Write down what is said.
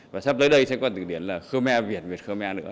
và sắp tới đây sẽ có tư điển là khmer việt việt khmer nữa